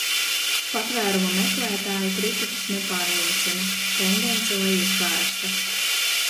Patvēruma meklētāji kritiķus nepārliecina, tendence lejup vērsta.